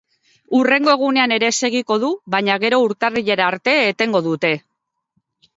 Hurrengo egunean ere segiko du baina gero urtarrilera arte etengo dute.